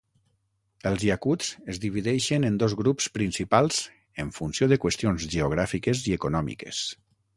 Els yakuts es divideixen en dos grups principals en funció de qüestions geogràfiques i econòmiques.